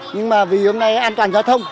nhưng mà vì hôm nay an toàn giao thông